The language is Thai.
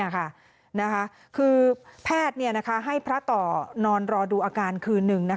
คือแพทย์ให้พระต่อนอนรอดูอาการคืนหนึ่ง